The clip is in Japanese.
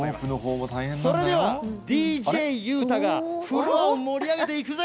それではＤＪユータがフロアを盛り上げていくぜ。